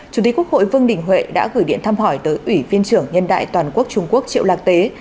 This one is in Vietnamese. chủ tịch quốc hội vương đình huệ đã gửi điện thăm hỏi tới ủy viên trưởng nhân đại toàn quốc trung quốc triệu lạc tế